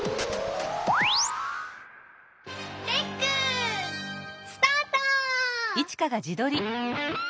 レックスタート！